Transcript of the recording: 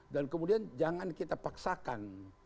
dan kemudian jangan kita paksakan